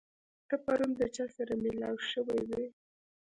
ته پرون د چا سره مېلاو شوی وې؟